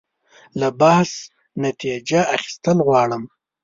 له بحث نتیجه اخیستل غواړم.